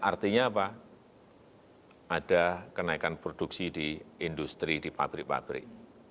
artinya apa ada kenaikan produksi di industri di pabrik pabrik